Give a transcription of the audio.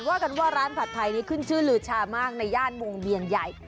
ว่ากันว่าร้านผัดไทยนี้ขึ้นชื่อลือชามากในย่านวงเวียงใหญ่